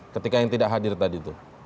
ketika yang tidak hadir tadi itu